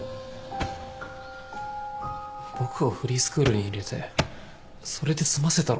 僕をフリースクールに入れてそれで済ませたろ？